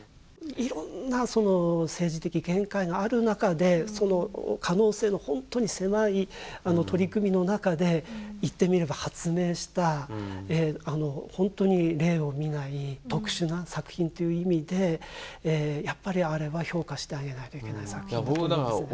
いろんなその政治的限界がある中でその可能性の本当に狭い取り組みの中で言ってみれば発明した本当に例を見ない特殊な作品っていう意味でやっぱりあれは評価してあげないといけない作品だと思うんですね。